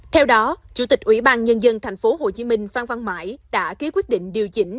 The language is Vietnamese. theo đó chủ tịch ủy ban nhân dân tp hcm phan văn mãi đã ký quyết định điều chỉnh